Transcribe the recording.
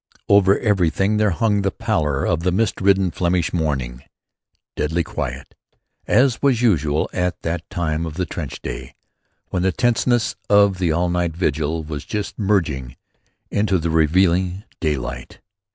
Over everything there hung the pallor of the mist ridden Flemish morning, deadly quiet, as was usual at that time of the trench day when the tenseness of the all night vigil was just merging into the relieving daylight.